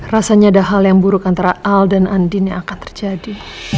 rasanya ada hal yang buruk antara al dan andina akan terjadi